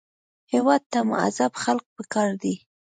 هېواد ته مهذب خلک پکار دي